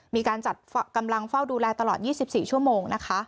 มีการจัดกำลังเฝ้าดูแลตลอด๒๔ชั่วโมงนะคะ